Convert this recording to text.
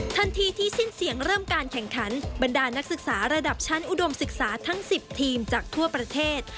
ทันทีที่สิ้นเสียงเริ่มการแข่งขันบรรดานักศึกษาระดับชั้นอุดมศึกษาทั้ง๑๐ทีมจากทั่วประเทศ